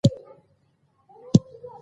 ښوونځې تللې مور د ماشوم اعتماد لوړوي.